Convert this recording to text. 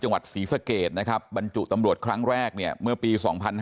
จังหวัดศรีสะเกดนะครับบรรจุตำรวจครั้งแรกเนี่ยเมื่อปี๒๕๕๙